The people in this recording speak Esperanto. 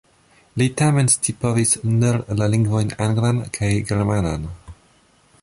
Li tamen scipovis nur la lingvojn anglan kaj germanan.